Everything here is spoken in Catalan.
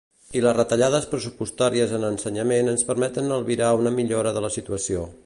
I les retallades pressupostàries en ensenyament ens permeten albirar una millora de la situació.